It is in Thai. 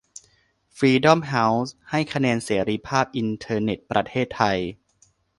ฟรีด้อมเฮ้าส์ ให้คะแนนเสรีภาพอินเทอร์เน็ตประเทศไทย